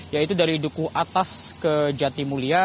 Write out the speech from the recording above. yaitu dari duku atas ke jati mulia